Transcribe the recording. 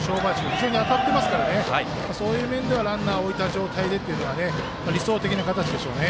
非常に当たっていますからそういう面ではランナーを置いた状態でっていうことが理想的な形でしょうね。